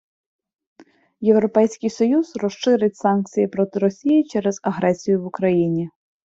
Європейський Союз розширить санкції проти Росії через агресію в Україні.